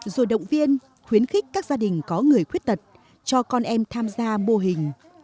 rồi động viên khuyến khích các gia đình có người khuyết tật cho con em tham gia mô hình